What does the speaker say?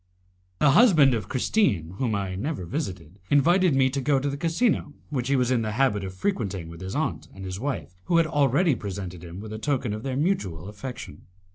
The husband of Christine, whom I never visited, invited me to go to the casino which he was in the habit of frequenting with his aunt and his wife, who had already presented him with a token of their mutual affection.